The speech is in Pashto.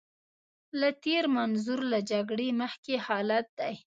له تېر منظور له جګړې مخکې حالت دی.